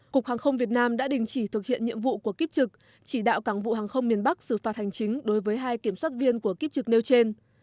cục hàng không việt nam đã đình chỉ thực hiện nhiệm vụ của kiếp trực chỉ đạo cảng vụ hàng không miền bắc xử phạt hành chính đối với hai kiểm soát viên của kiếp trực nêu trên